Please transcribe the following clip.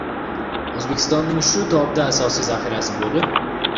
O‘zbekistonning shu tobda asosiy zaxirasi bo‘lib